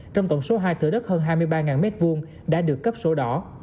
trong tổng số hai thử đất hơn hai mươi ba m hai đã được cấp số đỏ